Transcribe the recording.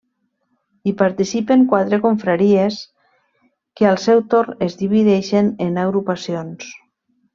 Hi participen quatre confraries, que al seu torn es dividixen en agrupacions.